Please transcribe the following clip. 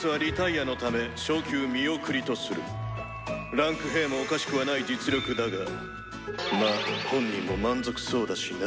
位階『５』もおかしくはない実力だがまぁ本人も満足そうだしな」。